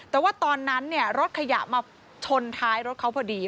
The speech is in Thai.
แต่ว่าตอนนั้นรถขยะมาชนท้ายรถเขาพอดี